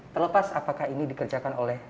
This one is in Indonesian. terlepas apakah ini dikerjakan oleh